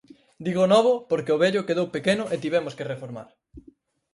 Digo novo porque o vello quedou pequeno e tivemos que reformar.